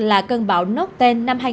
là cân bão norten năm hai nghìn một mươi hai